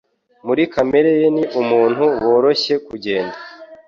Muri kamere ye ni umuntu woroshye kugenda.